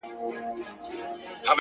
نسه نه وو نېمچه وو ستا د درد په درد-